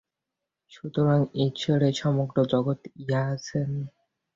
সুতরাং ঈশ্বর এই সমগ্র জগৎ হইয়াছেন।